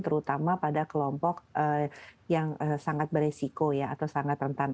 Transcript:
terutama pada kelompok yang sangat beresiko ya atau sangat rentan